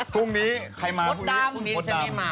พรุ่งนี้ฉันไม่มา